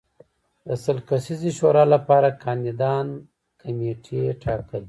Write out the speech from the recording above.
د سل کسیزې شورا لپاره کاندیدان کمېټې ټاکل